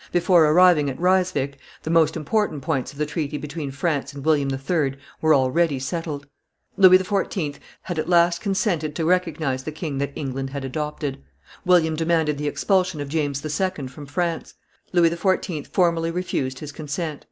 Before arriving at Ryswick, the most important points of the treaty between France and William III. were already settled. Louis XIV. had at last consented to recognize the king that England had adopted; William demanded the expulsion of James II. from France; Louis XIV. formally refused his consent.